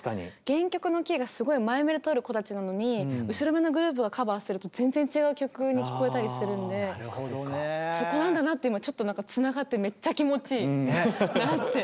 原曲のキーがすごい前めでとる子たちなのに後ろめのグループがカバーすると全然違う曲に聴こえたりするんでそこなんだなって今ちょっとつながってめっちゃ気持ちいいなって。